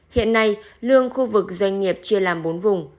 hiện nay lương khu vực doanh nghiệp chia làm bốn vùng